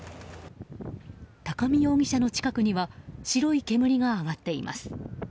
高見容疑者の近くには白い煙が上がっています。